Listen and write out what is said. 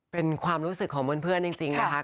เป็นความรู้สึกของเพื่อนจริงนะคะ